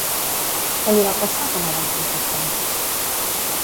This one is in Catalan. Què li va passar quan el va subjectar?